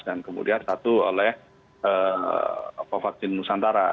dan kemudian satu oleh vaksin nusantara